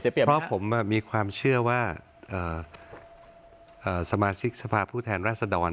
เพราะผมมีความเชื่อว่าสมาชิกสภาพผู้แทนราชดร